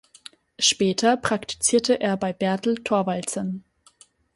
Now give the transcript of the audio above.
Später praktizierte er bei Bertel Thorvaldsen.